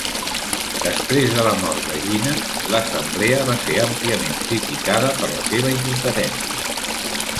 Després de la mort de Jinnah, l'assemblea va ser àmpliament criticada per la seva incompetència.